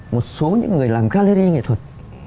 một số những người làm gallery nghệ thuật